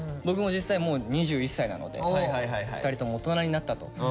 僕も実際もう２１歳なので２人とも大人になったと。